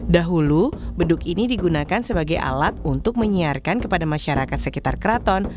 dahulu beduk ini digunakan sebagai alat untuk menyiarkan kepada masyarakat sekitar keraton